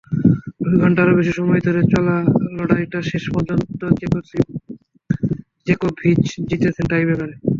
দুই ঘণ্টারও বেশি সময় ধরে চলা লড়াইটা শেষ পর্যন্ত জোকোভিচ জিতেছেন টাইব্রেকারে।